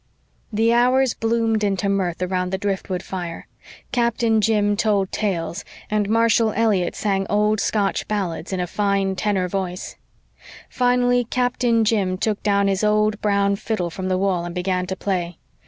The hours bloomed into mirth around the driftwood fire. Captain Jim told tales, and Marshall Elliott sang old Scotch ballads in a fine tenor voice; finally Captain Jim took down his old brown fiddle from the wall and began to play.